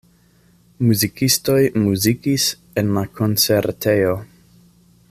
Muzikistoj muzikis en la koncertejo.